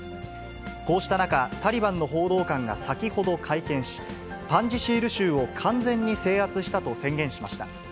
こうした中、タリバンの報道官が先ほど会見し、パンジシール州を完全に制圧したと宣言しました。